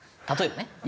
例えばね。